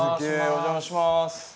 お邪魔します。